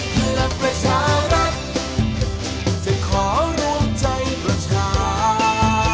พลังประชารัฐจะขอรวมใจประชา